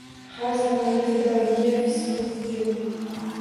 Har zamonda fidoiyga fisq-u fujur